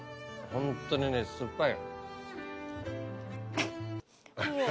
ホントにね酸っぱい。